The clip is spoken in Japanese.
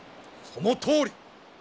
そのとおり！